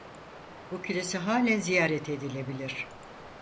Bu kilise halen ziyaret edilebilir.